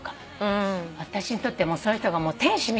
私にとってはその人が天使みたいな感じなの。